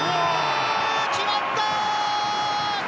決まった！